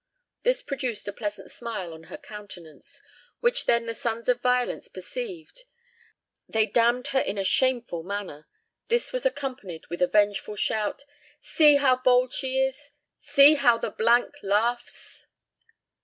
This produced a pleasant smile on her countenance, which when the sons of violence perceived, they d d her in a shameful manner; this was accompanied with a vengeful shout, 'See how bold she is! See how the laughs!'